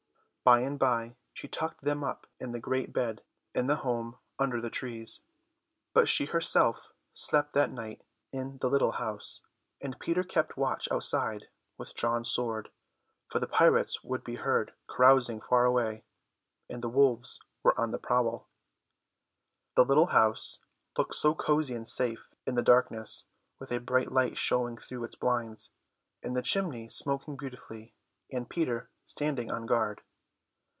By and by she tucked them up in the great bed in the home under the trees, but she herself slept that night in the little house, and Peter kept watch outside with drawn sword, for the pirates could be heard carousing far away and the wolves were on the prowl. The little house looked so cosy and safe in the darkness, with a bright light showing through its blinds, and the chimney smoking beautifully, and Peter standing on guard.